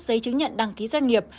giấy chứng nhận đăng ký doanh nghiệp